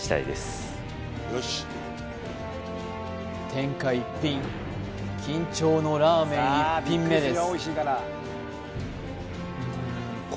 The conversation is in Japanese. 天下一品緊張のラーメン１品目です